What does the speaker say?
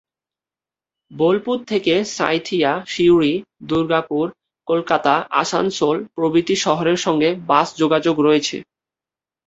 বোলপুর থেকে সাঁইথিয়া, সিউড়ি, দুর্গাপুর, কলকাতা, আসানসোল প্রভৃতি শহরের সঙ্গে বাস যোগাযোগ রয়েছে।